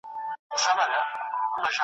زما له زګېروي سره سارنګ او رباب مه شرنګوه .